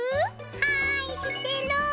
はいしってる！